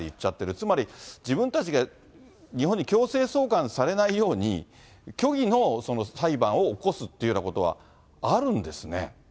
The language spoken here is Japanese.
つまり、自分たちが日本に強制送還されないように、虚偽の裁判を起こすっていうようなことはあるんですね。